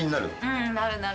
うんなるなる。